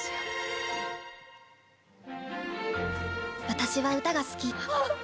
私は歌が好き。